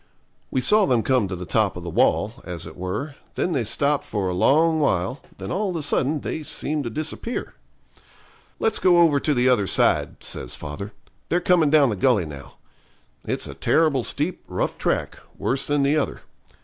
We saw them come to the top of the wall, as it were, then they stopped for a long while, then all of a sudden they seemed to disappear. 'Let's go over to the other side,' says father; 'they're coming down the gully now. It's a terrible steep, rough track, worse than the other.